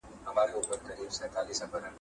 هیوادونه په صداقت سره کار کوي.